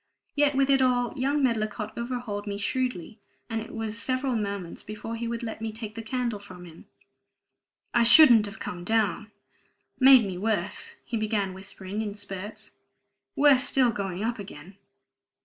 Yet with it all, young Medlicott overhauled me shrewdly, and it was several moments before he would let me take the candle from him. "I shouldn't have come down made me worse," he began whispering in spurts. "Worse still going up again.